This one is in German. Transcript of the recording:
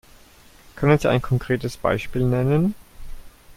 Können Sie ein konkretes Beispiel nennen?